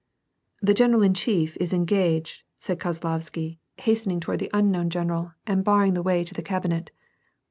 "The general in chief is engaged," said Kozlovsky, hasten 146 n^AR AND PEACE. ing toward the unknown general and barring the way to the cabinet.